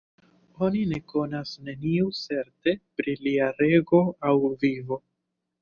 Oni ne konas neniu certe pri lia rego aŭ vivo.